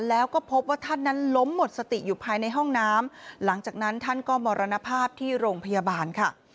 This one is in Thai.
แล้วก็พบว่าท่านนั้นล้มหมดสติอยู่ภายในห้องน้ำหลังจากนั้นท่านก็มรณภาพที่โรงพยาบาลค่ะ